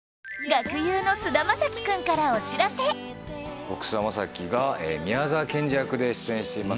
学友の僕菅田将暉が宮沢賢治役で出演しています